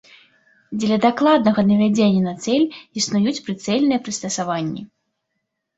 Дзеля дакладнага навядзення на цэль існуюць прыцэльныя прыстасаванні.